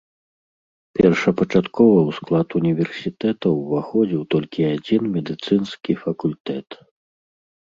Першапачаткова ў склад універсітэта ўваходзіў толькі адзін медыцынскі факультэт.